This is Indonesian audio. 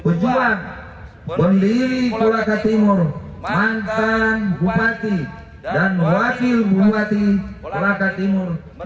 pejuang pendiri olahraga timur mantan bupati dan wakil bupati kuraka timur